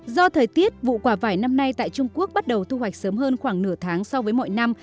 do thời tiết vụ quả vải năm nay tại trung quốc bắt đầu thu hoạch sớm hơn khoảng nửa tháng so với mọi năm